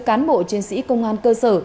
cán bộ trên sĩ công an cơ sở